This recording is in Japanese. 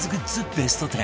ベスト１０